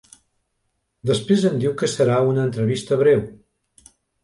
Després em diu que serà una entrevista breu.